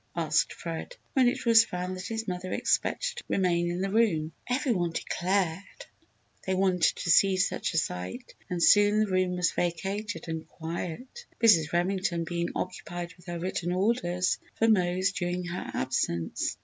asked Fred, when it was found that his mother expected to remain in the room. Every one declared they wanted to see such a sight, and soon the room was vacated and quiet Mrs. Remington being occupied with her written orders for Mose during her absence.